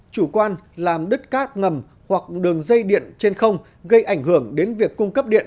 chủ quan làm đứt cát ngầm hoặc đường dây điện trên không gây ảnh hưởng đến việc cung cấp điện